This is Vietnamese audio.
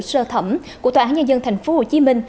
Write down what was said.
sơ thẩm của tòa án nhà dân tp hcm